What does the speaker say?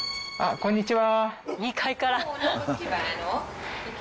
こんにちは。